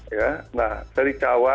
ya nah dari cawan